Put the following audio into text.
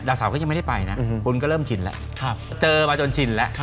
สาวก็ยังไม่ได้ไปนะบุญก็เริ่มชินแล้วเจอมาจนชินแล้ว